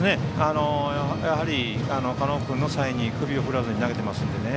やはり加納君のサインに首を振らずに投げてますのでね。